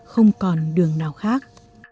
không còn đường nào khác